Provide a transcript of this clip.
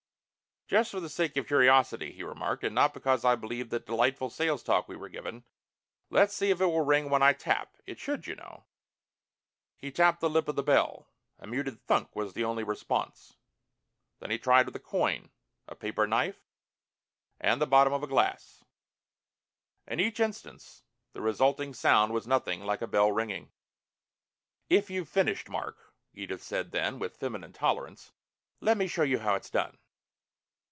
"Just for the sake of curiosity," he remarked, "and not because I believe that delightful sales talk we were given, let's see if it will ring when I tap. It should, you know." He tapped the lip of the bell. A muted thunk was the only response. Then he tried with a coin, a paper knife, and the bottom of a glass. In each instance the resulting sound was nothing like a bell ringing. "If you've finished, Mark," Edith said then, with feminine tolerance, "let me show you how it's done."